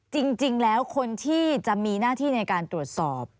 จริงแล้วคนที่จะมีหน้าที่ในการตรวจสอบ